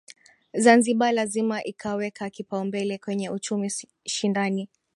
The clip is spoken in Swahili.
Zanzibar lazima ikaweka kipaumbele kwenye uchumi shindani